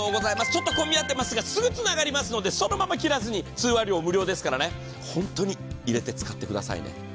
ちょっと混み合っていますが、すぐつながりますのでそのまま切らずに通話料無料ですから本当に入れて使ってくださいね。